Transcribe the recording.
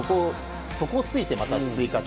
そこを突いてまた追加点。